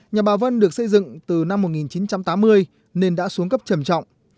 nhà bà vân được xây dựng từ năm một nghìn chín trăm tám mươi nên đã xuống cấp trầm trọng